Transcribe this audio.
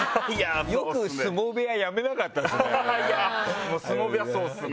よく相撲部屋やめなかったですね。